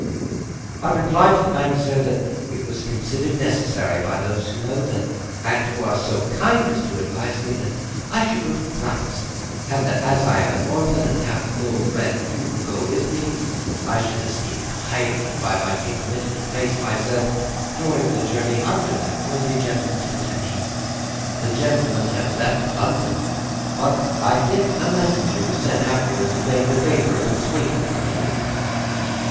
"I replied to the Bank, sir, that as it was considered necessary, by those who know, and who are so kind as to advise me, that I should go to France, and that as I am an orphan and have no friend who could go with me, I should esteem it highly if I might be permitted to place myself, during the journey, under that worthy gentleman's protection. The gentleman had left London, but I think a messenger was sent after him to beg the favour of his waiting for me here."